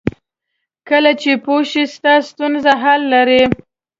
کله چې پوه شې ستا ستونزه حل لري.